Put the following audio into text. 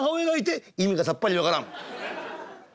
「意味がさっぱり分からん。